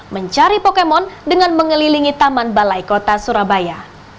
mencari pokemon dengan mengelilingi taman balai kota surabaya